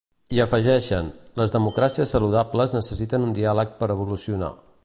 I afegeixen: ‘Les democràcies saludables necessiten un diàleg per evolucionar’.